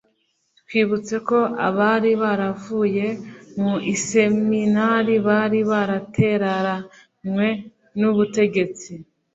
twibutse ko abari baravuye mu iseminari bari barateraranywe n'ubutegetsi